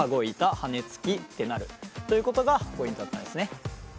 「はねつき」ってなるということがポイントだったんですね。